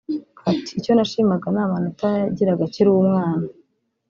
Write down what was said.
ati “Icyo nashimaga n’amanota yagiraga akiri umwana